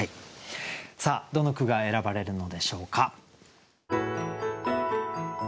さあどの句が選ばれるのでしょうか。